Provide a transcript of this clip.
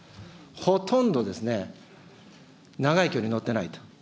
ほとんどですね、長い距離乗ってない。